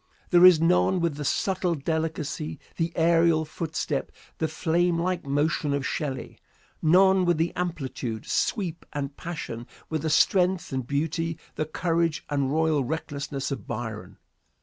There is none with the subtle delicacy, the aerial footstep, the flame like motion of Shelley; none with the amplitude, sweep and passion, with the strength and beauty, the courage and royal recklessness of Byron.